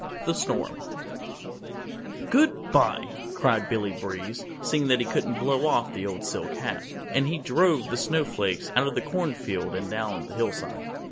THE STORM "Goodby," cried Billy Breeze, seeing that he couldn't blow off the old silk hat, and he drove the Snow Flakes out of the Corn Field and down the hillside.